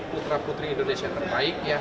putra putri indonesia yang terbaik